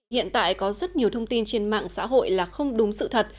hiện tại có rất nhiều thông tin trên mạng xã hội là không đúng sự thật